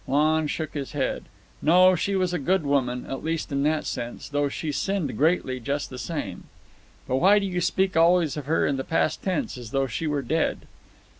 Lon shook his head. "No, she was a good woman, at least in that sense, though she sinned greatly just the same." "But why do you speak always of her in the past tense, as though she were dead?"